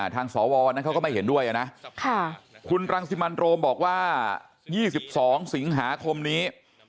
ทางสวนั้นเขาก็ไม่เห็นด้วยนะคุณรังสิมันโรมบอกว่า๒๒สิงหาคมนี้